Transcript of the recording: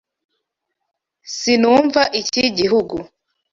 Sinumva iki gihugu.